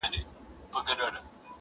د مستو پېغلو د پاولیو وطن!!